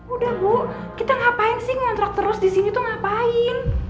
udah bu kita ngapain sih ngontrak terus di sini tuh ngapain